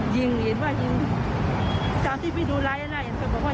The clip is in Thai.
เราเองเห็นเหตุแบบนี้ตกใจไหมรู้สึกกลัวไหม